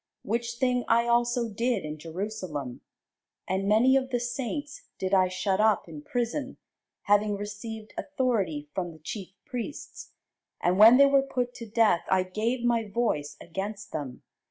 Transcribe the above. Which thing I also did in Jerusalem: and many of the saints did I shut up in prison, having received authority from the chief priests; and when they were put to death, I gave my voice against them.